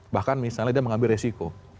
bahkan misalnya dia mengambil resiko